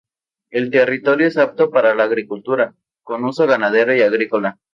El territorio es apto para la agricultura con uso ganadero y agrícola.